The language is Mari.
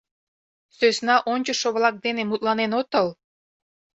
— Сӧсна ончышо-влак дене мутланен отыл?